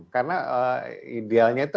karena idealnya itu